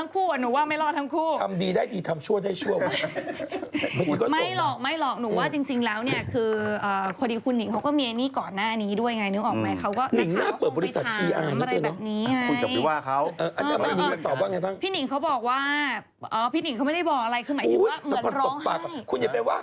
ควรคิดว่าได้ถ่ายโดทั้งคู่หนูว่าไม่รอดทั้งคู่